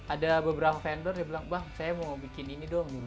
ada beberapa vendor dia bilang bang saya mau bikin ini dong